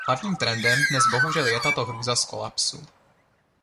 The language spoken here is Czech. Hlavním trendem dnes bohužel je tato hrůza z kolapsu.